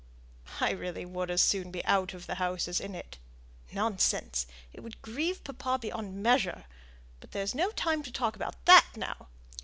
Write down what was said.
"I really would as soon be out of the House as in it." "Nonsense; it would grieve papa beyond measure but there's no time to talk about that now.